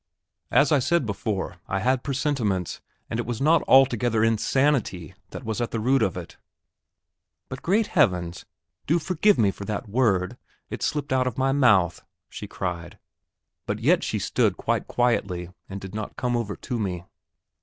As I said before, I had presentiments; and it was not altogether insanity that was at the root of it.... "But, great heavens! do forgive me for that word! It slipped out of my mouth," she cried; but yet she stood quite quietly, and did not come over to me.